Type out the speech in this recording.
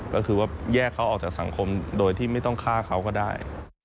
ก็คือว่าแยกเขาออกจากสังคมโดยที่ไม่ต้องฆ่าเขาก็ได้